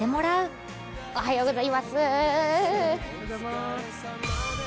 おはようございます。